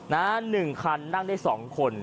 นะหนึ่งคันนั่งได้๒คน